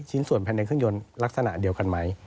ชิ้นส่วนแผ่นแดงเครื่องยนต์ลักษณะเดียวกันไหม